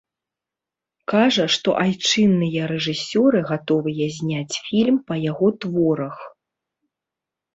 Кажа, што айчынныя рэжысёры гатовыя зняць фільм па яго творах.